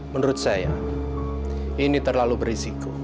menurut saya ini terlalu berisiko